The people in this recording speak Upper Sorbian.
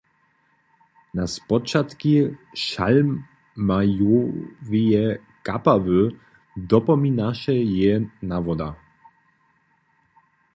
Na spočatki šalmajoweje kapały dopominaše jeje nawoda.